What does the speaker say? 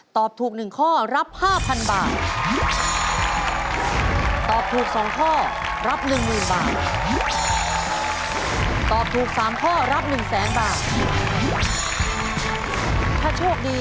ถ้าโชคดี